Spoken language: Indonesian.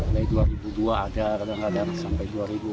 sampai dua ribu dua ada kadang kadang sampai dua ribu delapan belas